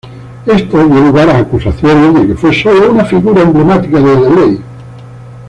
Esto dio lugar a acusaciones de que fue sólo una figura emblemática de DeLay.